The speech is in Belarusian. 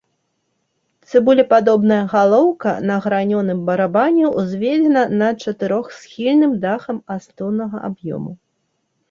Цыбулепадобная галоўка на гранёным барабане ўзведзена над чатырохсхільным дахам асноўнага аб'ёму.